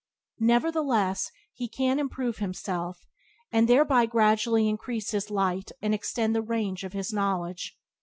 Nevertheless, he can improve himself, and thereby gradually increase his light and extend the range of his knowledge.